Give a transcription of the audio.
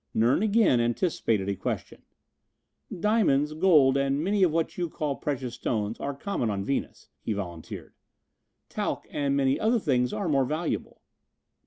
Nern again anticipated a question. "Diamonds, gold and many of what you call precious stones are common on Venus," he volunteered. "Talc and many other things are more valuable."